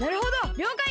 りょうかい！